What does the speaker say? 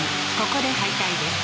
ここで敗退です。